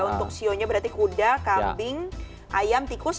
untuk ciong nya berarti kuda kambing ayam tikus